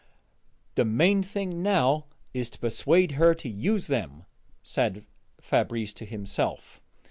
"The main thing now is to persuade her to use them," said Fabrice to himself.